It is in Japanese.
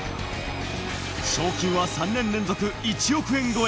賞金は３年連続１億円超え。